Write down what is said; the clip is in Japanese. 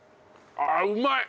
あうまい！